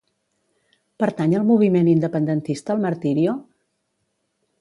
Pertany al moviment independentista el Martirio?